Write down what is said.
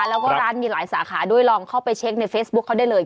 แล้วก็ร้านมีหลายสาขาด้วยลองเข้าไปเช็คในเฟซบุ๊คเขาได้เลย